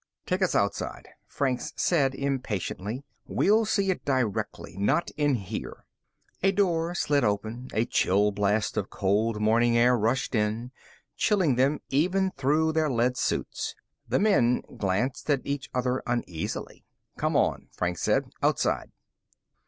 "Take us outside," Franks said impatiently. "We'll see it directly, not in here." A door slid open. A chill blast of cold morning air rushed in, chilling them even through their lead suits. The men glanced at each other uneasily. "Come on," Franks said. "Outside."